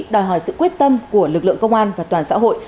đòi hỏi sự quyết tâm của lực lượng công an và toàn xã hội